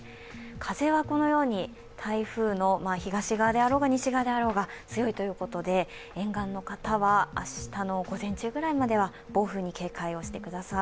風はこのように台風の東側であろうが西側であろうが強いということで沿岸の方は明日の午前中くらいまでは暴風に警戒してください。